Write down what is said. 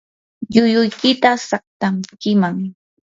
llulluykita saqtankiman.